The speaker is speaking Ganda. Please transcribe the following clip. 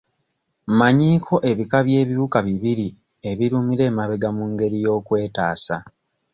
Mmanyiiko ebika by'ebiwuka bibiri ebirumira emabega mu ngeri y'okwetaasa.